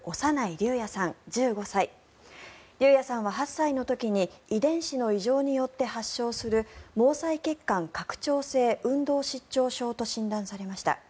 龍弥さんは８歳の時に遺伝子の異常によって発症する毛細血管拡張性運動失調症と診断されました。